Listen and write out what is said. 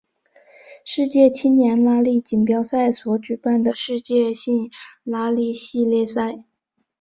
世界青年拉力锦标赛所举办的世界性拉力系列赛。